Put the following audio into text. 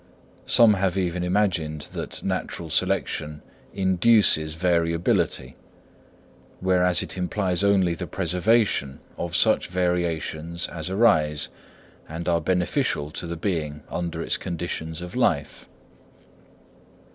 Some have even imagined that natural selection induces variability, whereas it implies only the preservation of such variations as arise and are beneficial to the being under its conditions of life.